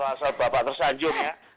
asal bapak terang